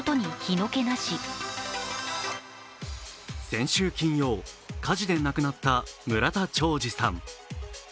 先週金曜、火事で亡くなった村田兆治さん。